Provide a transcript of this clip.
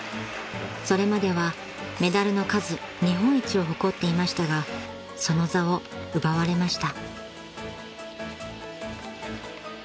［それまではメダルの数日本一を誇っていましたがその座を奪われました］